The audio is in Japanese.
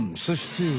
そして。